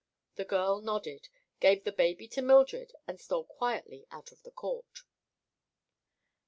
The girl nodded, gave the baby to Mildred and stole quietly out of the court.